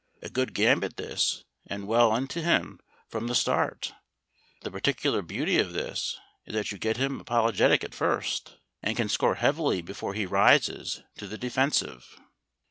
A good gambit this, and well into him from the start. The particular beauty of this is that you get him apologetic at first, and can score heavily before he rises to the defensive.